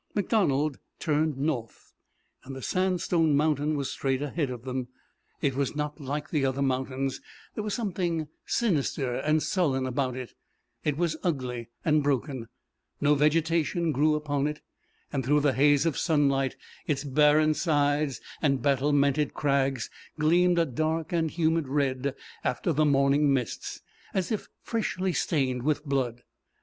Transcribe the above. MacDonald turned north, and the sandstone mountain was straight ahead of them. It was not like the other mountains. There was something sinister and sullen about it. It was ugly and broken. No vegetation grew upon it, and through the haze of sunlight its barren sides and battlemented crags gleamed a dark and humid red after the morning mists, as if freshly stained with blood.